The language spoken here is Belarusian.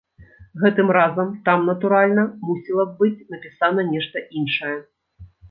Гэтым разам там, натуральна, мусіла б быць напісана нешта іншае.